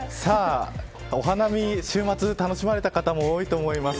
お花見、週末楽しまれた方も多いと思います。